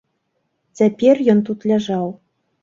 Цяпер ён тут ляжаў.